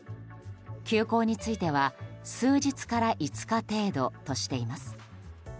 休校については数日から５日程度としています。